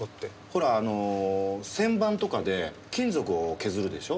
ほらあの旋盤とかで金属を削るでしょ？